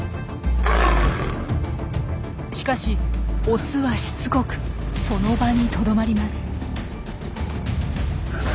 しかしオスはしつこくその場にとどまります。